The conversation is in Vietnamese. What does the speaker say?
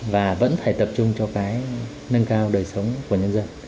và vẫn phải tập trung cho cái nâng cao đời sống của nhân dân